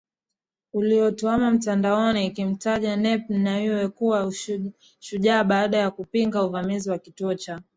uliotuama mitandaoni ikimtaja Nape Nnauye kuwa shujaa baada ya kupinga uvamizi wa kituo cha